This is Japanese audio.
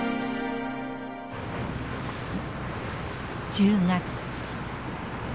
１０月。